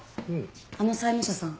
あの債務者さん